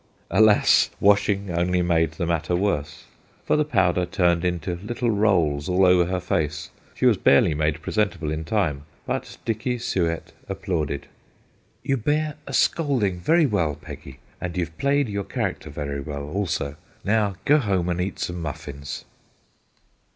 Alas ! washing only made the matter worse, for the powder H 212 THE GHOSTS OF PICCADILLY turned into little rolls all over her face. She was barely made presentable in time, but Dicky Suett applauded. ' You bear a scolding very well, Peggy, and you 've played your character very well also. Now go home and eat some muffins.'